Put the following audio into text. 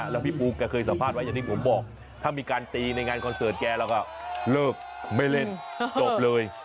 แล้วพี่ปูแกเคยสัมภาษณ์ไว้อย่างที่ผมบอกถ้ามีการตีในงานคอนเสิร์ตแกเราก็เลิกไม่เล่นจบเลย